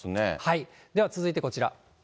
では続いてこちら。